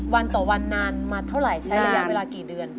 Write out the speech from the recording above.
วันต่อวันนานมาเท่าไหร่ใช้ระยะเวลากี่เดือน